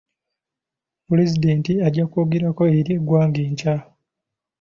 Pulezidenti ajja kwogerako eri eggwanga enkya.